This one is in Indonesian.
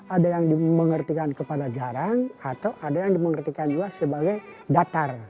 ada yang dimengertikan kepada jarang atau ada yang dimengertikan juga sebagai datar